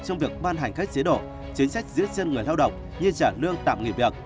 trong việc ban hành các chế độ chính sách giữ dân người lao động như trả lương tạm nghỉ việc